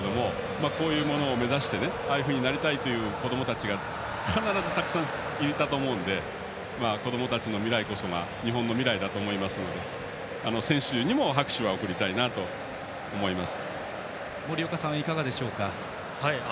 こういうものを目指してああいうふうになりたいという子どもたちが必ず、たくさんいたと思うので子どもたちの未来こそが日本の未来だと思いますので選手にも森岡さんはいかがですか？